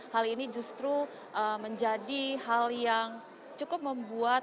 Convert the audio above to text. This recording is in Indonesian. hal ini justru menjadi hal yang cukup membuat